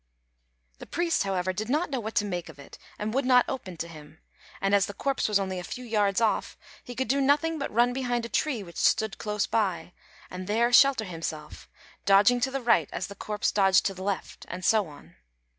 The priest, however, did not know what to make of it, and would not open to him; and as the corpse was only a few yards off, he could do nothing but run behind a tree which stood close by, and there shelter himself, dodging to the right as the corpse dodged to the left, and so on.